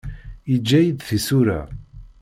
Yeǧǧa-iyi-d tisura.